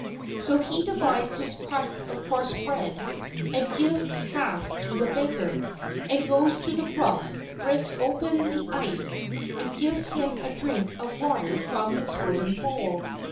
So he divides his crust of coarse bread and gives half to the beggar, and he goes to the brook, breaks open the ice, and gives him a drink of water from his wooden bowl.